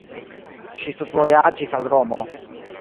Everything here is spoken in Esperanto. Ŝi studvojaĝis al Romo.